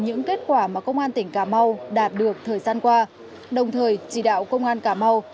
những kết quả mà công an tỉnh cà mau đạt được thời gian qua đồng thời chỉ đạo công an cà mau